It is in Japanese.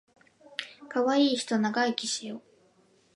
かわいいひと長生きしよ